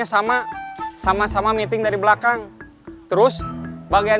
suami dalam dong adri bekommen pesakit